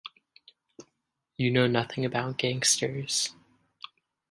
You know nothing about gangsters.